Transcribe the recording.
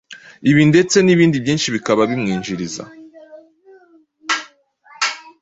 Ibi ndetse n’ibindi byinshi bikaba bimwinjiriza